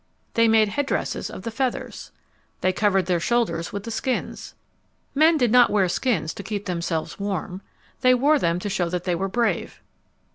They made head dresses of the feathers. They covered their shoulders with the skins. Men did not wear skins to keep themselves warm. They wore them to show that they were brave.